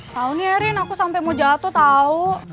tau nih erin aku sampe mau jatuh tau